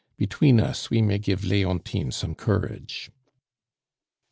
"Between us we may give Leontine some courage..."